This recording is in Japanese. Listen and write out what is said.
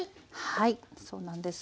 はいそうなんです。